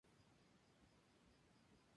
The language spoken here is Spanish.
Es el premio más importante del fútbol chileno.